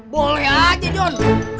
boleh aja jon